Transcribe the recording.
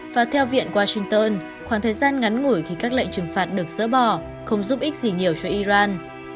và theo viện washington khoảng thời gian ngắn ngủi khi các lệnh trừng phạt được dỡ bỏ không giúp ích gì nhiều cho iran